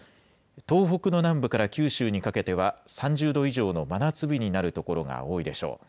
東北の南部から九州にかけては３０度以上の真夏日になる所が多いでしょう。